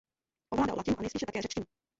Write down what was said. Ovládal latinu a nejspíše také řečtinu.